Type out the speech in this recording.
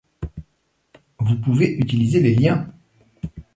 vous pouvez utiliser les liens.